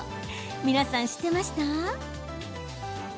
皆さん知ってました？